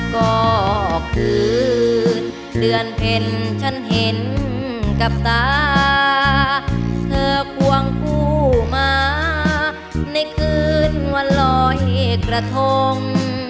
ก็คืนเดือนเพ็ญฉันเห็นกับตาเธอควงคู่มาในคืนวันลอยกระทง